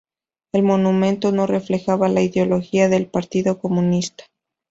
El monumento no reflejaba la ideología del Partido Comunista.